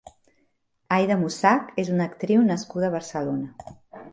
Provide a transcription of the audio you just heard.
Aida Mussach és una actriu nascuda a Barcelona.